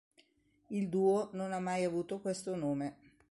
Il duo non ha mai avuto questo nome.